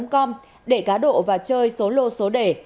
tám mươi tám com để cá độ và chơi số lô số đề